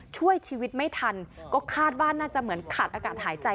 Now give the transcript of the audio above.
ช่วยชีวิตไม่ทันก็คาดว่าน่าจะเหมือนขาดอากาศหายใจ